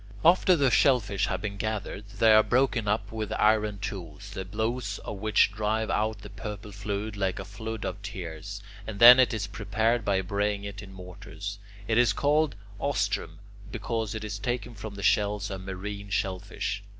After the shellfish have been gathered, they are broken up with iron tools, the blows of which drive out the purple fluid like a flood of tears, and then it is prepared by braying it in mortars. It is called "ostrum" because it is taken from the shells of marine shellfish.